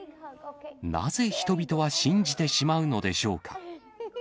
なぜ人々は信じてしまうのでしょうか。